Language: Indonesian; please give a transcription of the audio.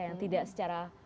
yang tidak secara